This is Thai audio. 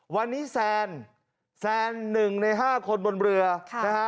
วันนี้แซนแซนหนึ่งในห้าคนบนเรือครับ